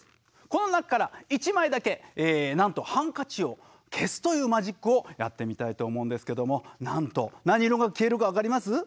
この中から１枚だけなんとハンカチを消すというマジックをやってみたいと思うんですけどもなんと何色が消えるか分かります？